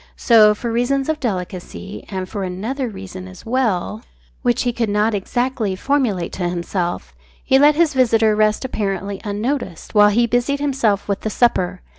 So, for reasons of delicacy and for another reason as well which he could not exactly formulate to himself he let his visitor rest apparently unnoticed, while he busied himself with the supper.